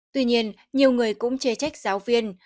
tuy nhiên nhiều người cũng chê trách giáo viên